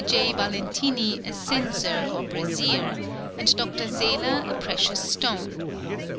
J. Valentini a censer or brazier; and Dr. Seler a precious stone.